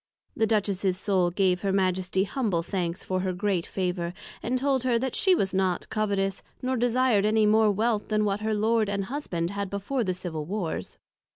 The Duchess's Soul gave her Majesty humble thanks for her great Favour; and told her, that she was not covetous, nor desir'd any more wealth than what her Lord and Husband had before the Civil Warrs.